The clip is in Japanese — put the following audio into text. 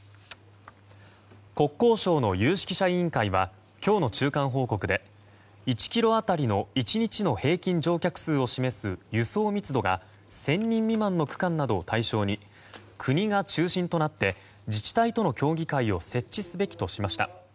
国交省の有識者委員会は今日の中間報告で１ｋｍ当たりの１日の平均乗客数を示す輸送密度が１０００人未満の区間などを対象に国が中心となって自治体との協議会を設置すべきとしました。